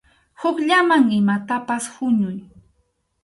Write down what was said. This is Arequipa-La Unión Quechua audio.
Hukllaman imatapas huñuy.